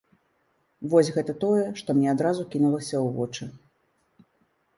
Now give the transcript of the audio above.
Вось гэта тое, што мне адразу кінулася ў вочы.